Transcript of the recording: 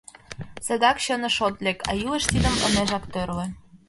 Садак чыныш от лек, а илыш тидым ынежак тӧрлӧ...